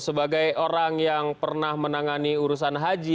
sebagai orang yang pernah menangani urusan haji